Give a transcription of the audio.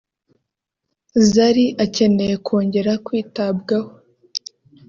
“Zari akeneye kongera kwitabwaho